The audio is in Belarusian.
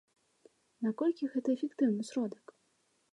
Наколькі гэта эфектыўны сродак?